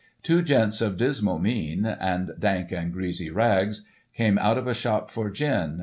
" Two gents of dismal mien, And dank and greasy rags. Came out of a shop for gin.